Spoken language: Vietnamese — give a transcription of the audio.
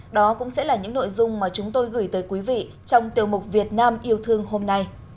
đó cũng sẽ là những nội dung mà chúng tôi gửi tới quý vị trong tiểu mục việt nam yêu thương hôm nay